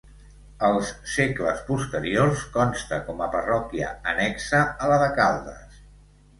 Els segles posteriors consta com a parròquia annexa a la de Caldes.